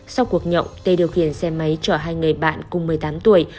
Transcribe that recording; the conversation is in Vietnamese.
sau cuộc nhậu tê điều khiển xe máy chở hai người bạn cùng một mươi tám tuổi